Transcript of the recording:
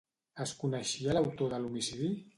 Es coneixia l'autor de l'homicidi?